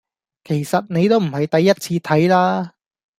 其實你都唔係第一次睇啦